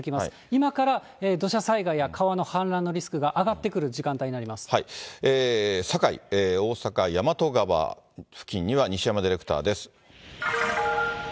今から土砂災害や川の氾濫のリスクが上がってくる時間帯になりま堺、大阪・大和川付近には、西山ディレクターです。